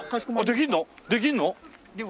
できるの？